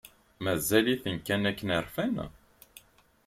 Mazal-iten kan akken rfan?